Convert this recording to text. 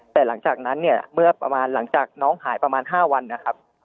แต่หลังจากนั้นเนี่ยหลังจากน้องหายประมาณ๕วันนะครับ